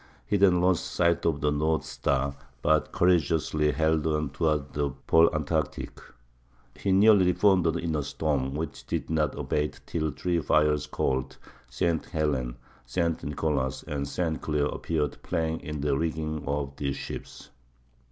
He then lost sight of the North Star, but courageously held on toward the "pole antarktike." He nearly foundered in a storm, "which did not abate till the three fires called St. Helen, St. Nicholas, and St. Clare appeared playing in the rigging of the ships.